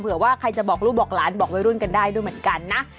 ว่าใครจะบอกลูกบอกหลานบอกวัยรุ่นกันได้ด้วยเหมือนกันนะ